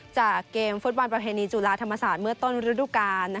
จากเกมฟุตบอลประเพณีจุฬาธรรมศาสตร์เมื่อต้นฤดูกาล